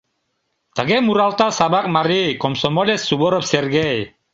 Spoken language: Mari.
Тыге муралта Савак марий комсомолец Суворов Сергей.